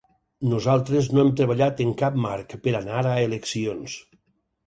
Nosaltres no hem treballat en cap marc per anar a eleccions.